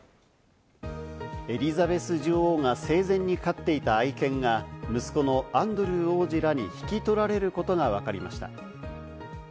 エリザベス女王が生前に飼っていた愛犬が息子のアンドルー王子らに引き取られることがわかりました。